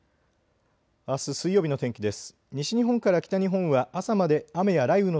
あす水曜日の天気です。